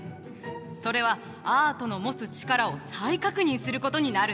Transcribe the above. それはアートの持つチカラを再確認することになるのよ！